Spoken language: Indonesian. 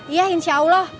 iya insya allah